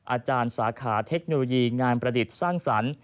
อาจารย์สาขาเทคโนโลยีงานประดิษฐ์สร้างสรรค์